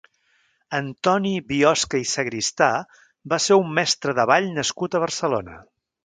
Antoni Biosca i Sagristà va ser un mestre de ball nascut a Barcelona.